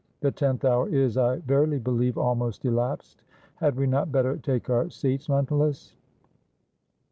The tenth hour is, I verily beheve, almost elapsed. Had we not better take our seats, Len tulus?"